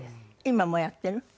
今もやっている？